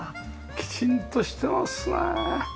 きちんとしてますね！